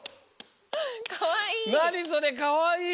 かわいい！